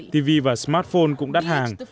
tv và smartphone cũng đắt hàng